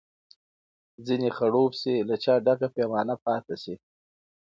ځیني خړوب سي له چا ډکه پیمانه پاته سي